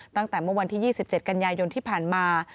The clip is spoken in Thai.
ตั้งแต่เมื่อวันที่๒๗กันยายนที่ผ่านมา